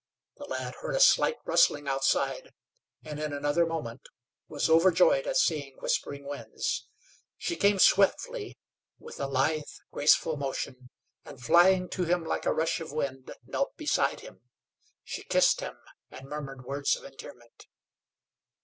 The lad heard a slight rustling outside, and in another moment was overjoyed at seeing Whispering Winds. She came swiftly, with a lithe, graceful motion, and flying to him like a rush of wind, knelt beside him. She kissed him and murmured words of endearment.